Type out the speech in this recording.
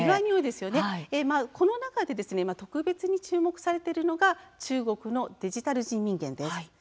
この中で特に注目されているのが中国のデジタル人民元です。